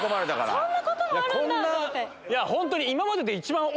そんなこともあるんだ！